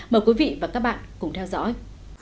mời quý vị và các bạn cùng theo dõi